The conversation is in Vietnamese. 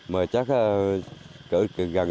mà chắc là cửa gần